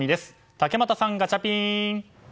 竹俣さん、ガチャピン！